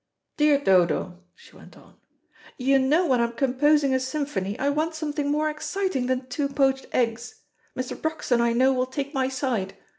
"Dear Dodo," she went on, "you know when I'm composing a symphony I want something more exciting than two poached eggs. Mr. Broxton, I know, will take my side.